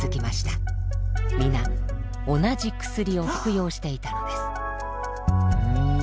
皆同じ薬を服用していたのです。